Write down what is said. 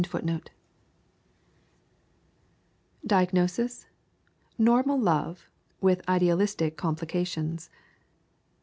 Diagnosis: Normal love, with idealistic complications.